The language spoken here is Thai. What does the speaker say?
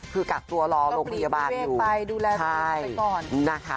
คือกักตัวรอโรงพยาบาลอยู่ดูแลตัวไปก่อน